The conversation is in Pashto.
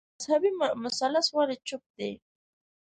دا مذهبي مثلث ولي چوپ دی